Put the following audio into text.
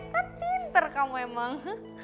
kan pinter kamu emang